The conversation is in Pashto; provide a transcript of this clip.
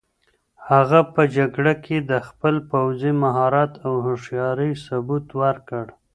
هغه په جګړه کې د خپل پوځي مهارت او هوښیارۍ ثبوت ورکړ.